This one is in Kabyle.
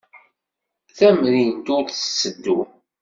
Tamrint-a ur tetteddu.